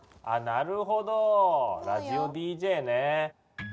あなるほどラジオＤＪね。